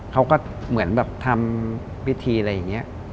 เขาก็เหมือนแบบทำพิธีอะไรอย่างนี้